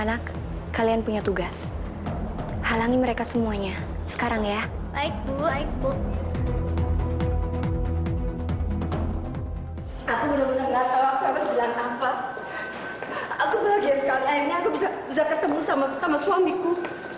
aku bahagia sekali akhirnya aku bisa ketemu sama suamiku